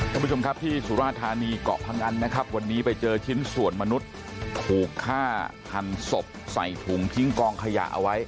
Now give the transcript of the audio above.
ท่านผู้ชมครับที่สุราธานีเกาะพงันนะครับวันนี้ไปเจอชิ้นส่วนมนุษย์ถูกฆ่าหันศพใส่ถุงทิ้งกองขยะเอาไว้